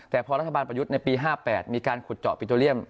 แต่พอรัฐบาลประยุทธ์ในปี๕๘มีการขุดเจาะปิโตเรียม